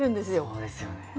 そうですよね。